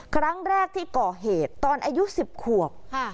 ครั้งแรกที่ก่อเหตุตอนอายุ๑๐ขวบ